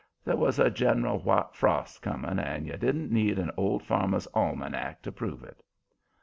There was a general white frost coming, and you didn't need an Old Farmer's Almanac to prove it.